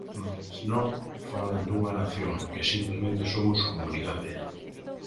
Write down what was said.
Mais non, falan dunha Nación que simplemente somos comunidade.